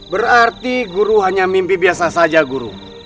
berarti guru hanya mimpi biasa saja guru